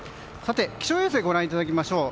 気象衛星をご覧いただきましょう。